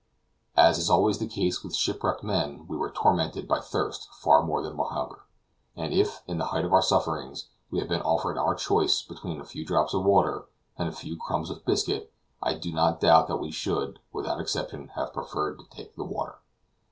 As is always the case with shipwrecked men, we were tormented by thirst far more than by hunger; and if, in the height of our sufferings, we had been offered our choice between a few drops of water and a few crumbs of biscuit, I do not doubt that we should, without exception, have preferred to take the water.